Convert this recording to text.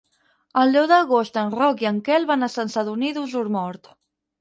El deu d'agost en Roc i en Quel van a Sant Sadurní d'Osormort.